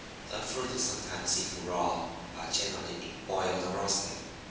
The fruit is sometimes eaten raw, but generally boiled or roasted.